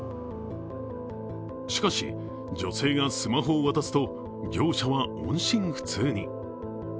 しかし、女性がスマホを渡すと、業者は音信不通に。